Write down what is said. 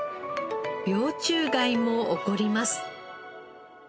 病虫害も起こります。